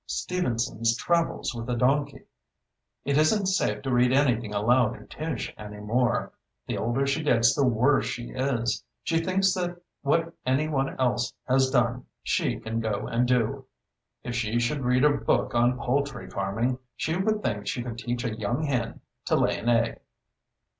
"Stevenson's 'Travels with a Donkey.' It isn't safe to read anything aloud to Tish any more. The older she gets the worse she is. She thinks that what any one else has done she can go and do. If she should read a book on poultry farming she would think she could teach a young hen to lay an egg."